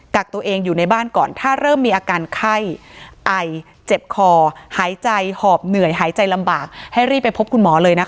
กักตัวเองอยู่ในบ้านก่อนถ้าเริ่มมีอาการไข้ไอเจ็บคอหายใจหอบเหนื่อยหายใจลำบากให้รีบไปพบคุณหมอเลยนะคะ